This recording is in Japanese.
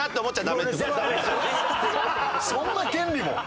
そんな権利も？